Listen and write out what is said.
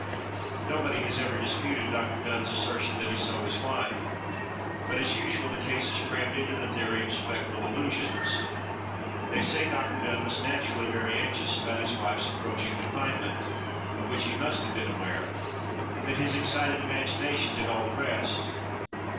Nobody has ever disputed Dr. Donne's assertion that he saw his wife: but, as usual, the case is crammed into the theory of spectral illusions. They say Dr. Donne was naturally very anxious about his wife's approaching confinement, of which he must have been aware, and that his excited imagination did all the rest.